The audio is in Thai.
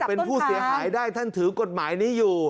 เป็นผู้เสียหายได้ท่านถือกฎหมายนี้อยู่